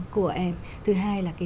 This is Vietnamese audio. của em thứ hai là cái